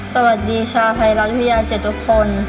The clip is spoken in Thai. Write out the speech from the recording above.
สวัสดีชาวไทยรัฐวิทยา๗ทุกคน